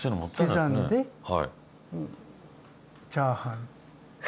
刻んでチャーハン。